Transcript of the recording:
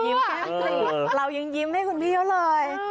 อ๋อยิ้มเรายิ้มให้คุณพี่เยอะเลย